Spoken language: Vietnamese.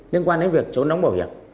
liên quan đến việc chống đóng bảo hiểm